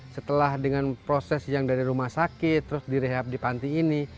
setelah dengan proses yang dari rumah sakit terus direhab di panti ini